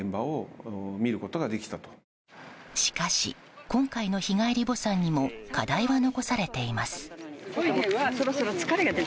しかし、今回の日帰り墓参にも課題は残されています。